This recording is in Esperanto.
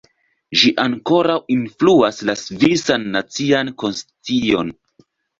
Ĝi ankoraŭ influas la svisan nacian konscion.